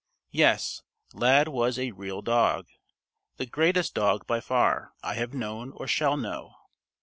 Yes, Lad was a "real" dog the greatest dog by far, I have known or shall know.